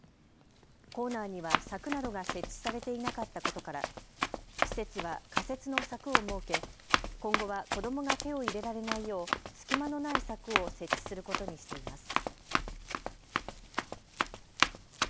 コーナーには柵などが設置されていなかったことから施設は仮設の柵を設け今後は子どもが手を入れられないよう隙間のない柵を設置することにしています。